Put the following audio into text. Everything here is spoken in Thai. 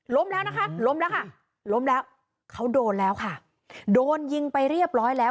แล้วนะคะล้มแล้วค่ะล้มแล้วเขาโดนแล้วค่ะโดนยิงไปเรียบร้อยแล้ว